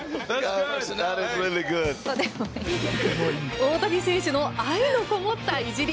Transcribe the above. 大谷選手の愛のこもったいじり。